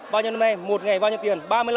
bao nhiêu năm nay một ngày bao nhiêu tiền